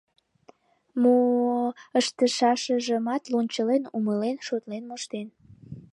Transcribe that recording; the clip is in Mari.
Мо ыштышашыжымат лончылен, умылен, шотлен моштен.